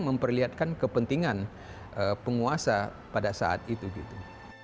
memperlihatkan kepentingan penguasa pada saat itu gitu